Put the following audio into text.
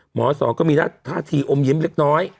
สองก็มีท่าทีอมยิ้มเล็กน้อย